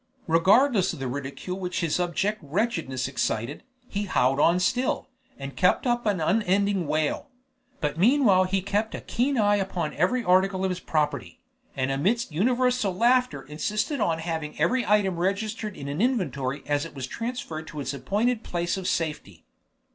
Regardless of the ridicule which his abject wretchedness excited, he howled on still, and kept up an unending wail; but meanwhile he kept a keen eye upon every article of his property, and amidst universal laughter insisted on having every item registered in an inventory as it was transferred to its appointed place of safety.